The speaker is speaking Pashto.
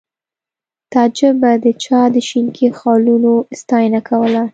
تعجب به د چا د شینکي خالونو ستاینه کوله